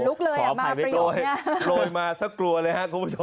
ขออภัยไว้ก่อนนะโรยมาสักกลัวเลยครับคุณผู้ชมครับโรยมาสักกลัวเลยครับคุณผู้ชมครับ